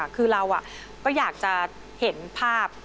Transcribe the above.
คือเราก็อยากจะเห็นภาพ